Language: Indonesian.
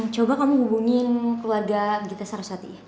coba kamu hubungin keluarga gita saraswati